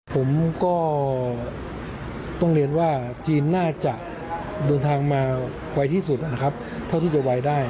ผมก็ต้องเรียนว่าจีนน่าจะเดินทางมาไวที่สุดนะครับเท่าที่จะไวได้